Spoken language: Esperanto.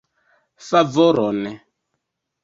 Favoron!